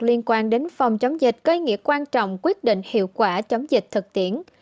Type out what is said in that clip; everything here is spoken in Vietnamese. liên quan đến phòng chống dịch có ý nghĩa quan trọng quyết định hiệu quả chống dịch thực tiễn